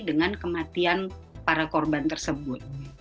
dengan kematian para korban tersebut